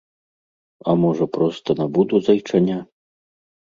А можа, проста набуду зайчаня.